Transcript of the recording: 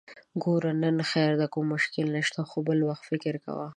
ګوره! نن خير دی، کوم مشکل نشته، خو بل وخت فکر کوه!